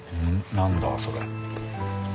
何だそれ。